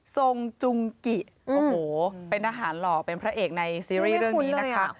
ทรงจุงกิโอ้โหเป็นอาหารหล่อเป็นพระเอกในซีรีส์เรื่องนี้นะคะ